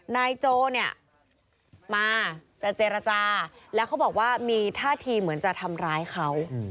นายโจเนี่ยมาจะเจรจาแล้วเขาบอกว่ามีท่าทีเหมือนจะทำร้ายเขา